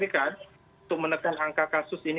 agar kita berhasil menyelergok dan juga hidup bisa